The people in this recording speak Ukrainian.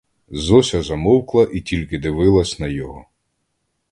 Зося замовкла і тільки дивилась на його.